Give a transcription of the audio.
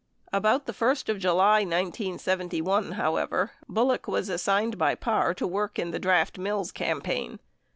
About the first of July. 197l, however, Bullock was assigned by Parr to work in the Draft Mills campaign.